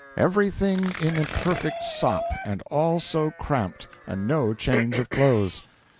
'Everything in a perfect sop; and all so cramped, and no change of clothes.'